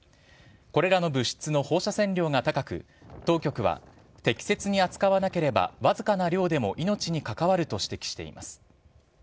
これらの物質の放射線量が高く、当局は適切に扱わなければ僅かな量でも命に関わると指摘しています。